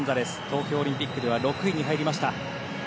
東京オリンピックでは６位に入りました。